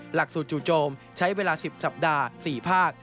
หลักสูตรจู่โจมใช้เวลา๑๐สัปดาห์๔ภาค